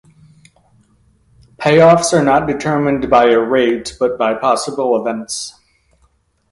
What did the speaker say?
Pay offs are not determined by a "rate", but by possible "events".